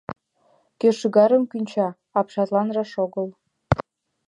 Кӧ шӱгарым кӱнча, апшатлан раш огыл.